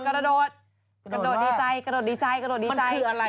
กระโดดดีใจมันคืออะไร